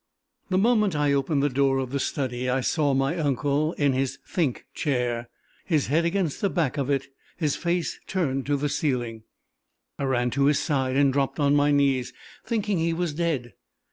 The moment I opened the door of the study, I saw my uncle in his think chair, his head against the back of it, his face turned to the ceiling. I ran to his side and dropped on my knees, thinking he was dead.